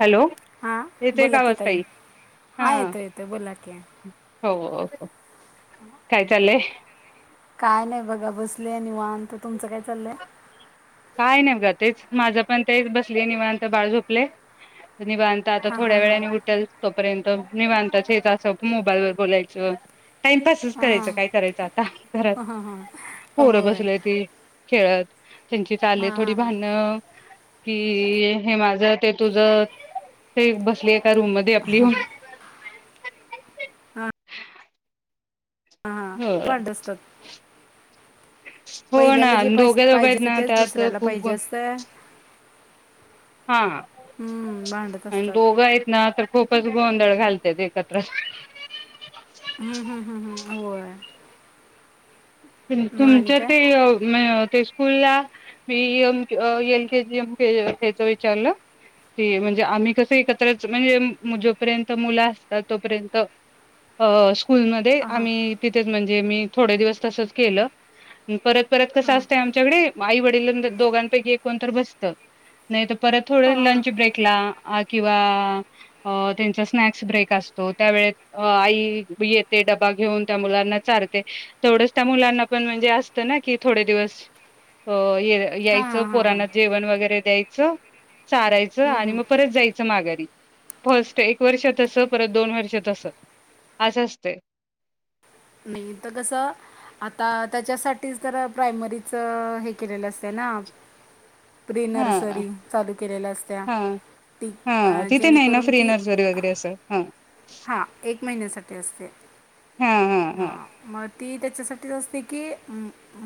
Hello हां येतोय का बोला की आवाज ताई तई हां. येतो येतो बोला की हो काय चालंय. काय नाही बघा बसले आहे निवांत तर तुमचं काय चाललंय. काय नाही ग तेच माझं पण तेच बसले निवांत बाळ झोपले निवांत. आता हां थोड्या हां हां वेळानी उठेल तोपर्यंत मी नीवांताच असं मोबाईल वर बोलायचं. टाइमपासच करायचं हां काय करायचं आता घरात हां हां पोरं होय बसल्याती ते खेळत. त्यांची चाले हां थोडी हां हां भांडण. कि हे माझ ते तुझ ते बसली एका रूम मध्ये आपली हां हां होय. भांडत असतात हो ना पहिल्याला जे दोघ पाहिजे दोघ पाहिजे आहेत असतं ना तेच त्यात दुसऱ्याला खूप पाहिजे असतं हा हम्म, भांडत आणि असतात दोघं आहेत ना तर. खूपच गोंधळ घालतात एकत्र. हम्म हम् हम्म हम होय. मग आणि तुमच्या काय ते ते. स्कूलला मीम एल के जी एम के हच विचारलं. क म्हणजे आम्ही कसं एकत्रच म्हणजे जोपर्यंत मुलं असतात तोपर्यंत अ स्कूलमध्ये. ते हां हां आम्ही तिथंच म्हणजे मी थोडे दिवस तसंच केले परत परत कस हां असते. च्याडे आई वडील दोघांपैकी एकण तर बसत नाहीतर. परत हो, थोडं हो. लंच ब्रेकला किंवा अ त्यांचा स्नॅक्स ब्रेक असतो त्यावेळेत अ आई येते डबा घेऊन त्या मुलांना चारते तेवढंच. त्या मुलांना पण म्हणजे असतं ना की थोडे दिवस अ हां यायचं हां हां हां पोराणा जेवण वगैरे द्यायचं चारायचं हम्म, आणि हम्म. मग परत जायचं माघारी. फस्ट एक वर्षात अस परत दोन वर्षात अस अस असते नाही इथं कसं. आता त्याच्यासाठीच तर प्रायमरीच हे केलेलं असते ना प्रि हा नर्सरी चालू केलेल्या असत्या हा ती हा अ, तिथे नाही ना जेणेकरून फ्री नर्सरी वगैरे असं हा हा एक महिन्यासाठी असते हा मग ती त्याच्यासाठीच असते की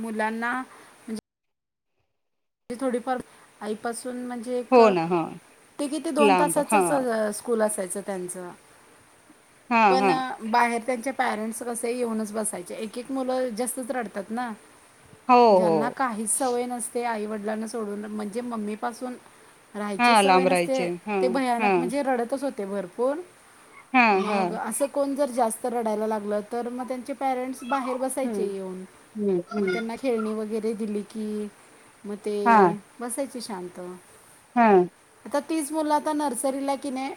मुलांना म्हे थोडीफार आईपासून म्हणजे एक हो ना हा ते किती दोन लांब हा तासाचच स्कूल असायचं त्यांचं हा पण. हा बाहेर त्यांच्या पॅरेंट्स कसे येऊनच बसायचे एक एक मुलं जास्तच रडतात ना. हो ज्यांना हो काहीच सवय नसते आई वडिलांना सोडून म्हणजे मम्मीपासून. राहायची हा सवय लांब नसते राहायचे हा ते हा भयानक म्हणजे रडतच होते. ते भरपूर हा हा मग असं कोण जर जास्त रडायला लागलं तर मग त्यांचे. पॅरेंट्स बाहेर बसायचे हम्म येऊन हम्म मग हम्म त्यांना खेळणी वगैरे दिली की. मग ते बसायचे शांत. हां. आता तीच मुलं आता नर्सरीला कि नाही.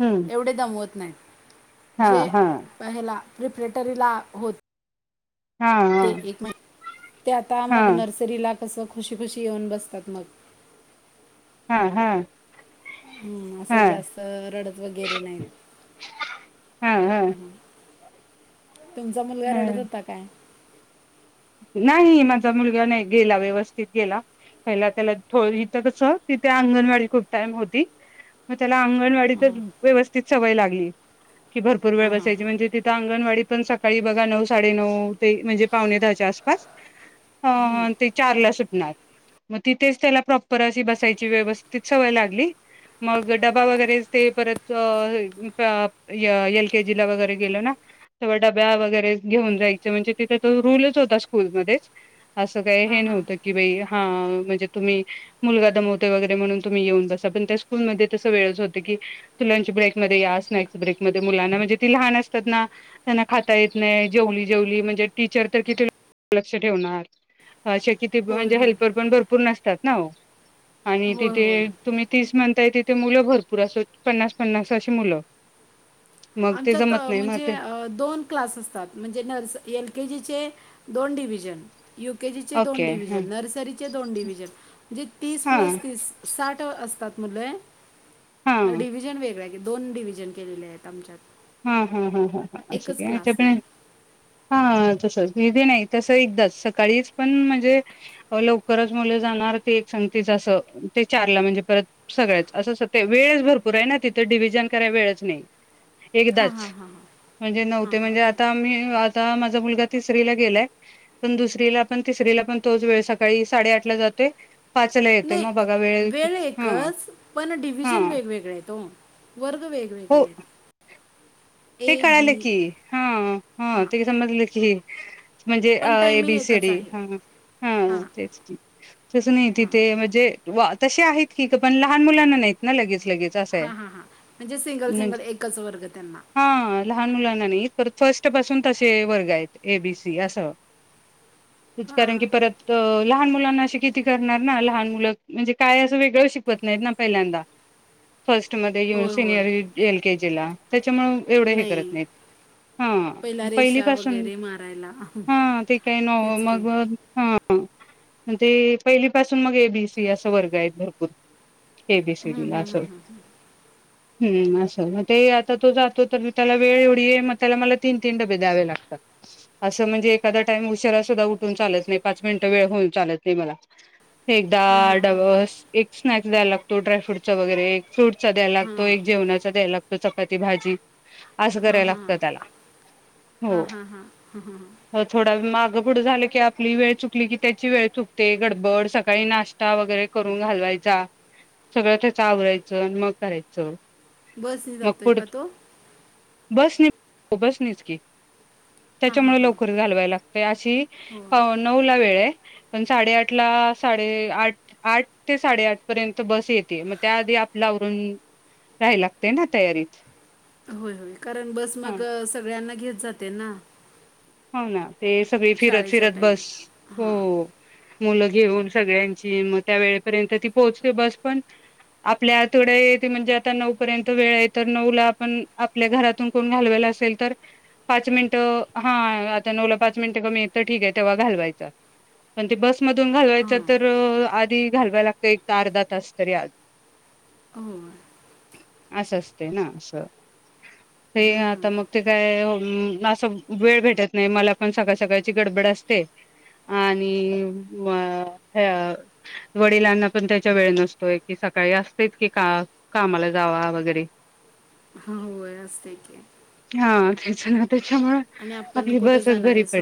हम्म. तेढेमवत नाही हा जे हा पला प्रिपरेटरीला हो. हा ते हा एक महि ते आता हा मग नर्सरीला कसं खुशी खुशी येऊन बसतात मग. हा हा. हम्म असं जास्त रडत वगैरे नाहीत हा हा हम. तुमचा मुलगा रडत ह होता काय. नाही माझा मुलगा नाही गेला व्यवस्थित गेला पहिला त्याला थो इथं कसं तिथे अंगणवाडी खूप टाइम होती. मग त्याला अंगणवाडीतच व्यवस्थित सवय लागली. की भरपूर वेळ बसायची म्हणजे तिथं अंगणवाडी. पण सकाळी बघा नऊ साडे नऊ ते म्हणजे पावणे दहाच्या आसपास. अ ते चार ला सुटणार. मग तिथेच त्याला प्रॉपर अशी बसायची व्यवस्थित सवय लागली. मग डबा वगैरे ते परत एल केजीला वगैरे गेलो ना. तें डब्या वगरेन जायं म्हणजे तिथे तो रूलच होत. स्कूलमध्येच अस काही हे हां, हां. नव्हतं की बा हा म्हणजे तुम्ही. मुलगा दमवते वगैरे म्हणून तुम्ही येऊन बसा पण त्या स्कूलमध्ये तस वेळच होते की. लंच ब्रेकमध्ये या स्नॅक्स ब्रेक म मुलांना म्हणजे ती लहान असतात ना. त्यांना खाता येत नाही जेवली जेवली म्हणजे टीचर तर किती. लक्ष ठेवणारे कती होय, म्हणजे होय. हेल्पर पण भरपूर नसतात ना. आणि होय, तिथे होय. तुम्ही तीस म्हणताय तिथे मुलं भरपूर असो पन्नास पन्नास अशी मुलं. मग ते आमच्यात जमत नाही मग म्हणजे ते दोन. क्लास असतात म्हणजे नर्स एल केजीचे दोन डिव्हजन. यू केे जीचे दोन ओके हा डविजन नर्सरीचे दोन डविजन म्हणजे तीस हा प्लस तीस. साठ असतात मुलं हा डिव्हजन वेगळ. दोन डिव्हिजन केलेले आहेत आमच्यात. हा हा हा हा हा असंक एकच ज क्लास प. नाही. हा तस हेध नाही तसं एकदाच सकाळीच पण म्हणजे. लवकरच मुलं जाणार ती एक सग तच असं ते चारला म्हणजे परत. सगळ्याच असं अस ते वेळच भरपूर आहे ना तिथं डिव्हजन कराय वेळच नाही. हां. एकदाच म्हणजे नव्हते म्हणजे आता मी आता माझा मुलगा तिसरीला गेलाय. पण दुसरीला पण तिसरीला पण तोच वेळ सकाळी साडेआठ ला जातोय. पाचला येतोय नाही मग बघा वेळ हा एकच पण हा डिव्हजन वेगवेगळा आहे तो. वर्ग वेगवेगळे हो आहेत. ते ए, कळालं बी की हा हा हां, ते समजलं की. म्हणजे पण टायमिंग एबीसी एकच डी आहे. हा हा हां. तेच. तसं नाही तिथे म्हणजे तसे आहेत की का पण लहान मुलांना नाहीत ना लगेच लगेच. असं आहे हा हा हां म्हणजे सिंगल सिंगल म्हणजे एकच वर्ग त्यांना. हा लहान मुलां नाही परत फर्स्ट पासून तसे वर्ग आहेत ए बीसी असं. च हां, कारण की हां. परत. तर लहान मुलांना अशी किती करणार ना लहान मुलं म्हणजे काय असं वेगळं शिकवत नाहीत ना पहिल्यांदा. फर्स्ट म येन होय, होय. सिनियर एल केजी ला त्याच्यामु एवढं हे करत नाही, नाहीत पहिला हा रेषा पहिलीपासून वगैरे मारायला. हा ते काही न तेच की. मग हा म्हण ते पहिली पाासून मग एबीसी असं वर्ग आहे भरपूर एबीसीडी अस हम्म अस ते आता तो तर मी त्याला वेळ एवढ आहे म त्याला मला तीन तीन डबे द्यावे लागतात असं म्हणजे एखादा टाईम उशिरा सुद्धा उठून चालत नाही पाच मिनट वेळ होऊन चालत नाही मला एकदा डबस एक स्नॅक्स द्यायला लागतो ड्रायफ्रूटचा वगैरे एक फ्रूट चा द्याव लागतो एक जेवणाचा द्याय लागतो चपाती भाजी असं कराय लागतं त्याला हो थोडा मागं पुढं झालं की आपली वेळ चुकली की त्याची वेळ चुकते गडबड सकाळी नाश्ते वगैरे करून घालवायचा सगळं त्याचा आवरायचं आणि मग करायचं बस नि जातोय का तो? बस नि बस निच की त्याच्यामुळे लवकर घालवाय लागते अशी हो. पा नऊ ला वेळ आहे पण साडेआठ ला साडे आठ आठ ते साडेआठ पर्यंत बस येते मग त्याआधी आपल्यावरून राहाय लागते ना तयारीत होय होय कारण बस ह मग सगळ्यांना घेत जाते ना हो ना ते सगळी फिरत शाळेच्या फिरत बस टाईमात. हो हां, मुलं घेऊन सगळ्यांची मग त्या वेळेपर्यंत ती पोहोचते बस पण आपल्या आतड्याे म्हणजे आता नऊ पर्यंत वेळ आहे तर नऊ ला आपण आपल्या घरातून कोण घालवायला असेल तर पाच मिनट हा आता नऊला पाच मिनिटं कमी एक तर ठीक आहे तेव्हा घालवायच पण ते बसमधून घालवायचं हां. तर आधी घालवाय लागतं एक अर्धा तास तरी आधी हो असं असते ना असं हे आता मग ते काय असं वेळ भेटत नाही मला पण सकाळ सकाळची गडबड असते आणि ह वडिलांना पण त्याच्या वेळ नसतोय की सकाळी असतेच की का कामाला जावा वगैरे हा हो [inaudible] हा त्याच ना त्याच्यामुळे आणि आपण कुठं जाणार आहे स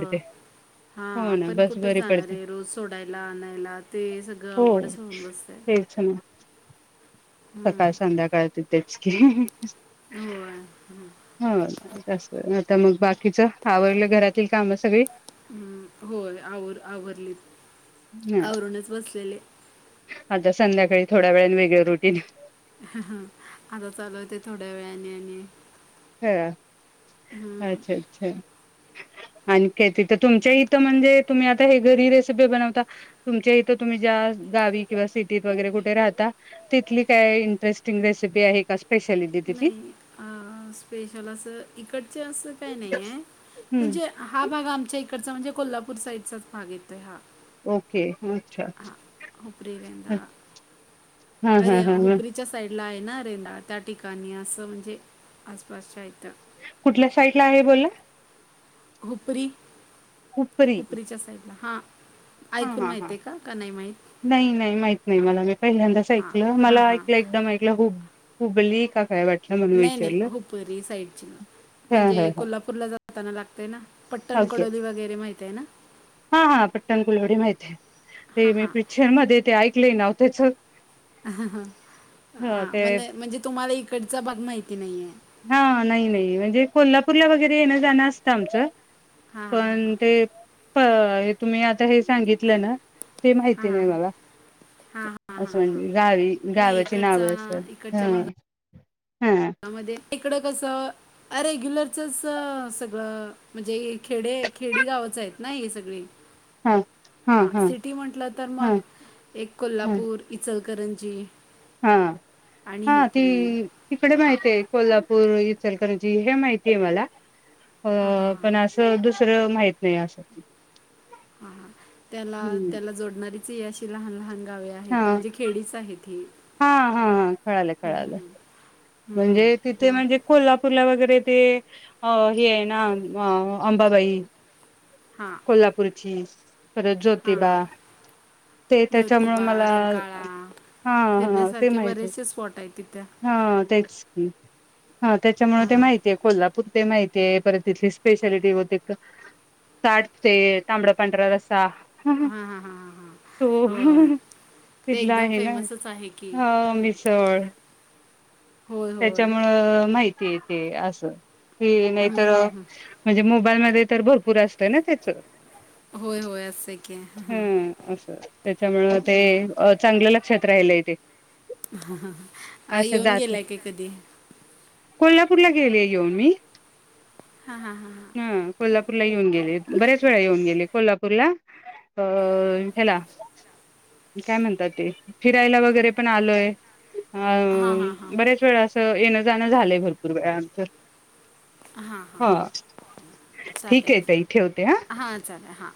हा हो ना आपण बस कुठं बरी जाणार पडते आहे रोज सोडायला आणायला ते सगळं हो अवघडच होऊन बसतय तेच ना हं. सकाळ संध्याकाळ तथेच की होय. हं, हो जास्त आता मग बाकीच आवडलं घरातील काम सगळी हं. होय आवर आवरली ह आवरूनच बसलेले आता संध्याकाळी थोड्या वेळने वेगळ रुटीन आता चालवते थोड्या वेळाने आणि हा हं. अच्छा अच्छा आणखी तिथं तुमच्या इथं म्हणजे तुम्ही आता हे घरी रेसिपी बनवता तुमच्या इथं तुम्ही ज्या गावी किंवा सिटीत वगैरे कुठे राहता तिथली काय इंटरेस्टिंग रेसिपी आहे का स्पेशालिटी तिथली नाही स्पेशल असं इकडच असं काही नाही आहे म्हणजे हम्म हा भाग आमच्या इकडचा म्हणजे कोल्हापूर साईडचाच भाग येतोय हा ओके अच्छा हां. हुपरी, रेंदाळा. हा हा ह च्या साईडला आहे ना रेंडा त्या ठिकाणी असं म्हणजे आसपासच्या इथं कुठल्या साईड ला आहे बोला हुपरी हुपरी हुपरीच्या साईडला हा हा ऐकून हा हा माहिती आहे का? नाही माहित. नाही नाही माहित नाही मला मी यंदाच हां, ऐकलं हां, मला हां. ऐकलं एकदम ऐकलं हुप हुबली काय वाटलं नाही नाही हुपरी साईडची हा म्हणजे हा हा कोल्हापूरला जाताना लागतय ना? पट्टण ओके कडोली वगैरे माहित आहे ना. हा हा पट्टणकडोली माहती आहे ते हां, मी हां. प्रिक्चर मध्ये ते ऐकलेय नाव त्याच. ह ह ह हा ते म्ह म्हणजे तुम्हाला इकडचा भाग माहिती नाहीे. हा नाही नाही म्हणजे कोल्हापूरला वगैरे येणं जाणं असतं आमचं. हां, हां, पण ते तुम्ही आता हे सांगितलं. ना ती हां, माहिती हां, नाही. हां, हां. मला हां, हां, असं हां. म्हणजे गावी नाही गावाची नाव इकडचा अस ह इकडच्या हा इकडं कसं अ रेग्युलरचच सगळं म्हणजे खेडे खेडी गावच आहेत. ना हे सगळी. हा हा सिटी म्हटलं तर मग हा एक हा कोल्हापूर इचलकरंजी. हा आणि हा ती. हुपरी इकडे हां माहती आहे. कोल्हापूर इचलकरजी हे माहितीय मला अ हां हां हां पण अस. दुसरं माहित नाही. असं हा त्याला हम्म त्याला जोडणारीच अशी लहान लहान गावे आहेत. हा म्हणजे खेडेच आहेत ही हा हा हा कळालं कळालं हम्म म्हणजे तिथे ह म्हणजे कोल्हापूरला वगैरे ते हे आहे. ना अंबाबाई हा कोल्हापूरची परत ज्योतिबा. हां ते त्याच्यामुळं ज्योतिबा मला. रंकाळा हा हा ते फिरण्यासारखे माहिती आहे. बरेचसे स्पॉट आहेत तिथं हा तेच की हा त्याच्यामुळे हां ते हां माहितीय आहे. कोल्हापूर ते माहितीय आहे परत तिथली स्पेशलिटी होते. साठ ते तांबड पांढरा रसा हां हां हां हां त होय ते तिथला एकदम आहे. ना फेमसच आहे की ह मिसळ हो त्याच्यामुळे माहिती येते असं की नाहीतर हं, हं, हं. म्हणजे मोबाईल मध्ये तर भरपूर असतय ना त्याच होय होय असं आहे की हां हां. हम असं त्याच्यामुळे ते चांगले लक्षात राहिलं इथे ह येऊन जात गेलाय काय कधी. कोल्हापूरला गेले. येऊन मी हा हा हा हा ह कोल्हापूर ला येऊन गेले बऱ्याच वेळा येऊन गेले. कोल्हापूरला. आ हेला. काय म्हणतात ते फिरायला वगैरे पण आलोय अ हां हां हां बऱ्याच अस येणं जाणं झालंय भरपूर वेळच हां हां ह ठीक आहे. चालेल ताई ठेवते ह हां चालेल हां